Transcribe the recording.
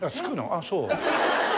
ああそう。